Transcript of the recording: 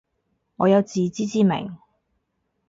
我有自知之明